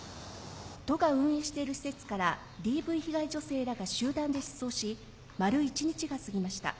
都が運営している施設からＤＶ被害女性らが集団で失踪し丸一日が過ぎました。